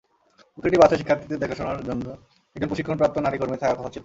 প্রতিটি বাসে শিক্ষার্থীদের দেখাশোনার জন্য একজন প্রশিক্ষণপ্রাপ্ত নারী কর্মী থাকার কথা ছিল।